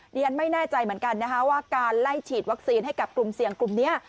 เรียนไม่แน่ใจเหมือนกันนะคะว่าการไล่ฉีดวัคซีนให้กับกลุ่มเสี่ยงกลุ่มนี้